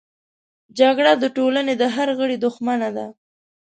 جګړه د ټولنې د هر غړي دښمنه ده